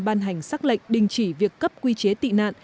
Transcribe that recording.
ban hành xác lệnh đình chỉ việc cấp quy chế tị nạn